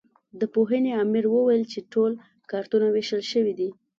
د پوهنې امر ویل چې ټول کارتونه وېشل شوي دي.